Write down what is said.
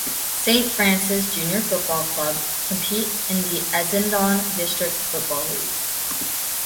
St.Francis Junior Football Club compete in the Essendon District Football League.